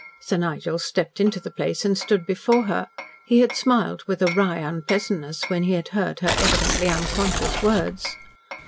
Sir Nigel stepped into the place and stood before her. He had smiled with a wry unpleasantness when he had heard her evidently unconscious words.